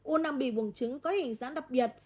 u năng bị buồng trứng có hình dạng đặc biệt